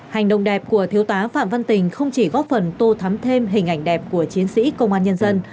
hành động đẹp của thiếu tá phạm văn tình không chỉ góp phần tô thắm thêm hình ảnh đẹp của chiến sĩ công an nhân dân